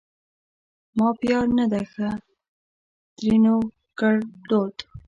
ما پیار نه ده ښه؛ ترينو ګړدود